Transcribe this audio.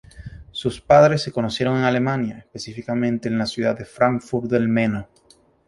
Sus padres se conocieron en Alemania, específicamente en la ciudad de Frankfurt del Meno.